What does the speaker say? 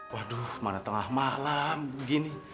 waduh mana tengah malam begini